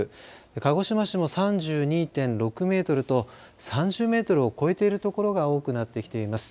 鹿児島市も３２．６メートルと３０メートルを超えているところが多くなってきています。